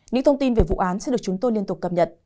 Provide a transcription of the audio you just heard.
những thông tin về vụ án sẽ được chúng tôi liên tục cập nhật